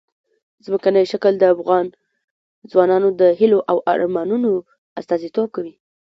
ځمکنی شکل د افغان ځوانانو د هیلو او ارمانونو استازیتوب کوي.